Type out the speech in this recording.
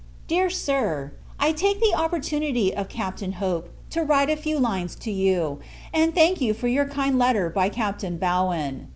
DEAR SIR, I take the opportunity of Captain Hope, to write a few lines to you, and thank you for your kind letter by Captain Bowen.